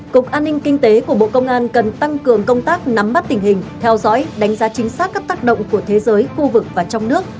cục an ninh kinh tế của bộ công an cần tăng cường công tác nắm bắt tình hình theo dõi đánh giá chính xác các tác động của thế giới khu vực và trong nước